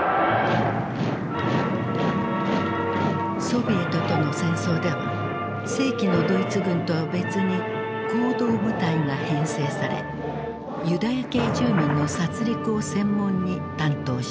ソビエトとの戦争では正規のドイツ軍とは別に「行動部隊」が編成されユダヤ系住民の殺りくを専門に担当した。